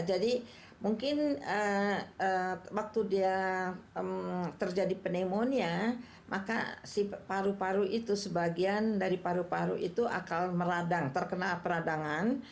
jadi mungkin waktu dia terjadi pneumonia maka si paru paru itu sebagian dari paru paru itu akan meradang terkena peradangan